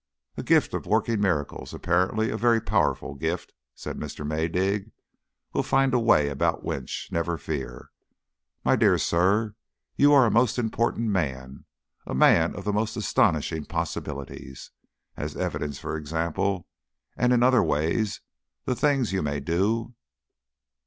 "A gift of working miracles apparently a very powerful gift," said Mr. Maydig, "will find a way about Winch never fear. My dear Sir, you are a most important man a man of the most astonishing possibilities. As evidence, for example! And in other ways, the things you may do...."